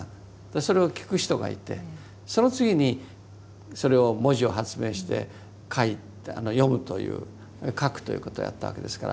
それを聞く人がいてその次にそれを文字を発明して書いて読むという書くということをやったわけですから。